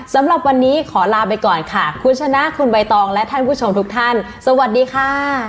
สำหรับวันนี้ขอลาไปก่อนค่ะคุณชนะคุณใบตองและท่านผู้ชมทุกท่านสวัสดีค่ะ